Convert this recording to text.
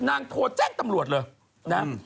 นางโทรแจ้งตำรวจเลยนะ